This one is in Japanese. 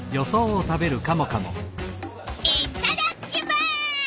いっただきます！